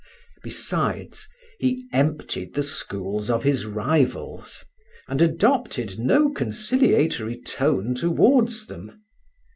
Besides, he emptied the schools of his rivals, and adopted no conciliatory tone toward them.